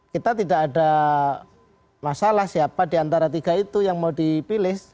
kita tidak ada masalah siapa diantara tiga itu yang mau dipilih